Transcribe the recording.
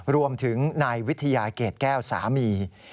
รวมถึงนายวิทยาเกรดแก้วสามี